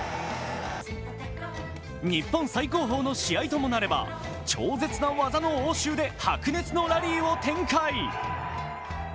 日本最高峰の試合ともなれば超絶な技の応酬で白熱のラリーを展開。